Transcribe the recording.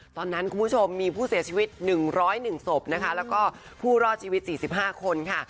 คุณผู้ชมมีผู้เสียชีวิต๑๐๑ศพนะคะแล้วก็ผู้รอดชีวิต๔๕คนค่ะ